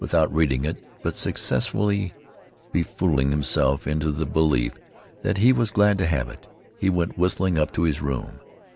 Without reading it, but successfully befooling himself into the belief that he was glad to have it, he went whistling up to his room.